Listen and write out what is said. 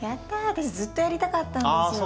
私ずっとやりたかったんですよ。